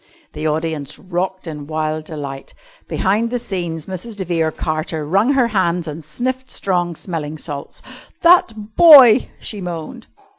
The audience rocked in wild delight. Behind the scenes Mrs. de Vere Carter wrung her hands and sniffed strong smelling salts. "That boy!" she moaned.